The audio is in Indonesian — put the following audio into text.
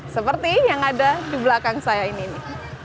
seperti yang ada di belakang saya ini nih